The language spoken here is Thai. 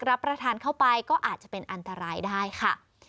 รับประทานเข้าไปก็อาจจะเป็นอันตรายได้ค่ะ